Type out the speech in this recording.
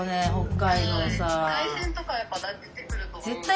海鮮とかやっぱ出てくると思うので。